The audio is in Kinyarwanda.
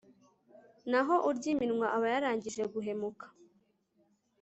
naho urya iminwa aba yarangije guhemuka